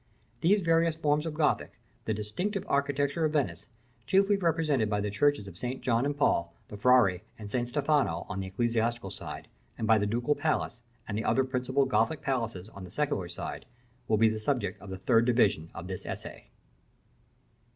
These various forms of Gothic, the distinctive architecture of Venice, chiefly represented by the churches of St. John and Paul, the Frari, and San Stefano, on the ecclesiastical side, and by the Ducal palace, and the other principal Gothic palaces, on the secular side, will be the subject of the third division of the essay.